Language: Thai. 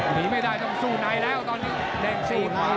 หนีไม่ได้ต้องสู้ไหนแล้วตอนนี้